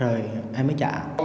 rồi em mới chạy